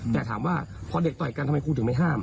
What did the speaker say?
แต่ถามว่าพอเด็กต่อยกันทำไมครูถึงไม่ห้าม